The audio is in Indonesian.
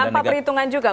kenapa perhitungan juga